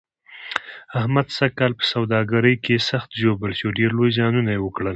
احمد سږ کال په سوداګرۍ کې سخت ژوبل شو، ډېر لوی زیانونه یې وکړل.